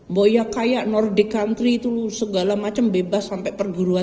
bahwa ya kayak nordie country itu segala macam bebas sampai perguruan